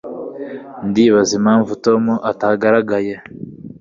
Ndibaza impamvu Tom atagaragaye.